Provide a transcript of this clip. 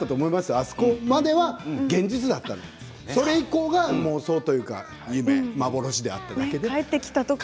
あそこまでは現実だったそれ以降は妄想というか夢、幻であって。